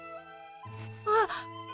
あっ！